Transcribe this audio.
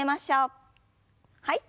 はい。